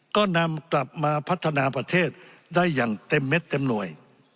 ก็นำกลับมาพัฒนาประเทศได้อย่างเต็มเม็ดเต็มหน่วย